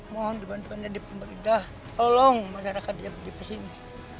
mohon bantuan dari pemerintah tolong masyarakat jambudipa sini